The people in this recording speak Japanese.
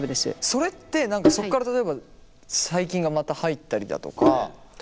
それって何かそこから例えば細菌がまた入ったりだとか。